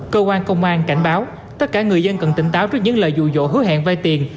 cơ quan công an cảnh báo tất cả người dân cần tỉnh táo trước những lời dụ dỗ hứa hẹn vai tiền